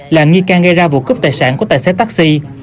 là nghi can gây ra vụ cướp tài sản của tài xế taxi